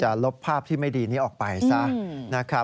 จะลบภาพที่ไม่ดีนี้ออกไปซะ